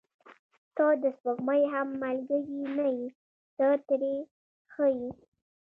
• ته د سپوږمۍ هم ملګرې نه یې، ته ترې ښه یې.